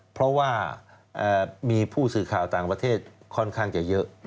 เพราะว่ามีผู้สื่อข่าวต่างประเทศค่อนข้างจะเยอะ